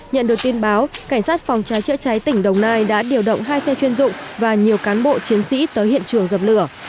nhận được tin báo cảnh sát phòng cháy chữa cháy tỉnh đồng nai đã điều động hai xe chuyên dụng và nhiều cán bộ chiến sĩ tới hiện trường dập lửa